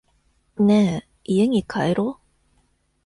ねぇ、家に帰ろう。